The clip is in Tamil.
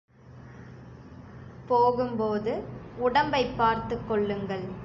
போகும்போது, உடம்பைப் பார்த்துக் கொள்ளுங்கள்.